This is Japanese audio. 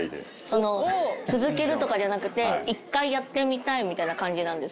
その続けるとかじゃなくて一回やってみたいみたいな感じなんですけど。